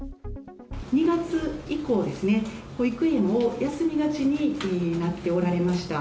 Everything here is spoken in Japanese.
２月以降ですね、保育園を休みがちになっておられました。